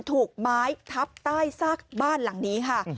ถูกไม้ทับใต้ซากบ้านหลังนี้ค่ะ